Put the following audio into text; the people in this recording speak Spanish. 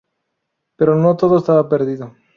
Pero no todo estaba perdido.